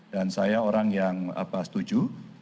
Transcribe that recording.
dan saya orang yang setuju